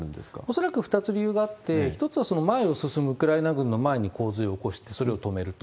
恐らく２つ理由があって、１つは前を進むウクライナ軍の前に洪水を起こして、それを止めると。